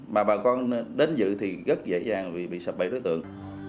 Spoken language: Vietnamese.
mà bà con đến dự thì rất dễ dàng bị sập bậy đối tượng